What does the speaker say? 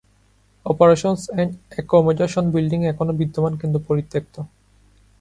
Operations and accommodation building এখনও বিদ্যমান কিন্তু পরিত্যক্ত।